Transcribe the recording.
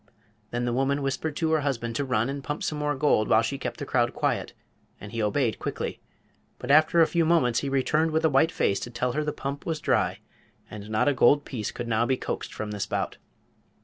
Then the woman whispered to her husband to run and pump some more gold while she kept the crowd quiet, and he obeyed quickly. But after a few moments he returned with a white face to tell her the pump was dry, and not a gold piece could now be coaxed from the spout.